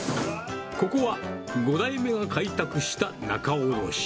ここは、５代目が開拓した仲卸。